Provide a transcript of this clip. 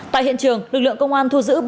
tại hiện trường lực lượng công an thu giữ